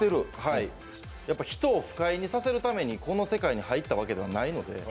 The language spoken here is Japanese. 人を不快させるためにこの世界に入ったわけではないので。